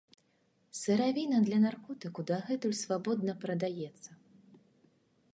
Сыравіна для наркотыку дагэтуль свабодна прадаецца.